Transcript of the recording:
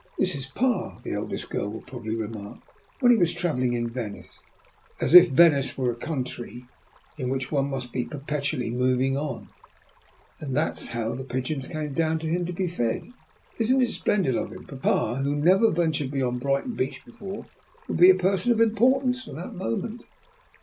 'This is pa,' the eldest girl will probably remark, 'when he was travelling in Venice' (as if Venice were a country in which one must be perpetually moving on), 'and that's how the pigeons came down to him to be fed. Isn't it splendid of him?' Papa, who has never ventured beyond Brighton beach before, will be a person of importance from that moment."